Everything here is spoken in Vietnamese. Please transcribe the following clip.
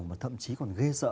mà thậm chí còn gây sợ